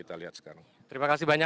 atau relative konsumen dan semuanya